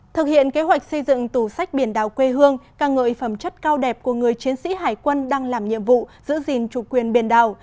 thực hiện kế hoạch xây dựng tủ sách biển đảo quê hương ca ngợi phẩm chất cao đẹp của người chiến sĩ hải quân đang làm nhiệm vụ giữ gìn chủ quyền biển đảo